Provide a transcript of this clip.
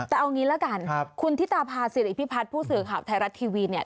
แต่เอางี้ละกันคุณธิตาภาษิริพิพัฒน์ผู้สื่อข่าวไทยรัฐทีวีเนี่ย